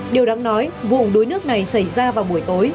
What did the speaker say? điều đáng nói vụ đuối nước này xảy ra vào buổi tối